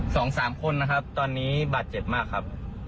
สองสามคนนะครับตอนนี้บาดเจ็บมากครับ